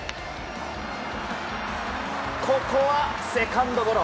ここはセカンドゴロ。